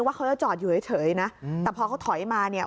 ว่าเขาจะจอดอยู่เฉยนะแต่พอเขาถอยมาเนี่ย